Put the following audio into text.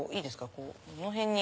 この辺に。